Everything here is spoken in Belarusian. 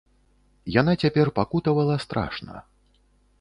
Яна цяпер пакутавала страшна.